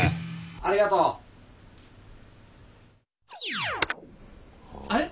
ありがとう。あれ？